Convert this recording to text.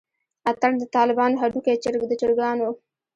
اتڼ دطالبانو هډوکے دچرګانو